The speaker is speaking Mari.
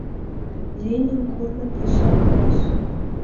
Ленин корно пешак раш